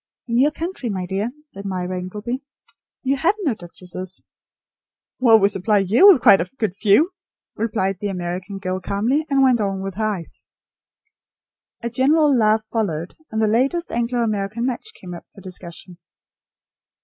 "In your country, my dear," said Myra Ingleby, "you have no duchesses." "Well, we supply you with quite a good few," replied the American girl calmly, and went on with her ice. A general laugh followed; and the latest Anglo American match came up for discussion.